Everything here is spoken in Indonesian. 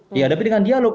dihadapi dengan dialog